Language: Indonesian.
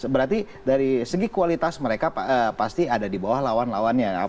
berarti dari segi kualitas mereka pasti ada di bawah lawan lawannya